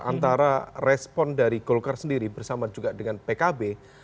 antara respon dari golkar sendiri bersama juga dengan pkb